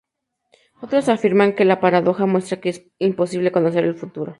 Otros afirman que la paradoja muestra que es imposible conocer el futuro.